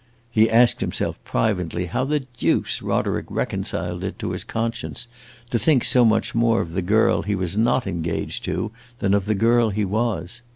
He asked himself privately how the deuce Roderick reconciled it to his conscience to think so much more of the girl he was not engaged to than of the girl he was.